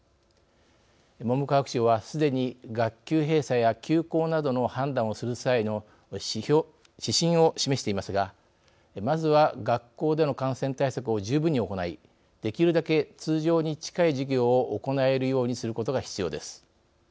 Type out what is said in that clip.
文部科学省はすでに学級閉鎖や休校などの判断する際の指針を示していますがまずは、学校での感染対策を十分に行いできるだけ通常に近い授業を行えるようにすることが必要です。